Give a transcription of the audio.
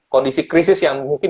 kondisi krisis yang mungkin